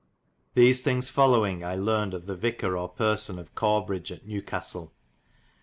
These thinges folowing I lernid of the Vicar or person of Corbridge at Newcastel.